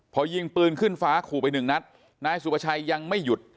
พอยิงปืนขึ้นฟ้าขู่ไปหนึ่งนัดนายสุภาชัยยังไม่หยุด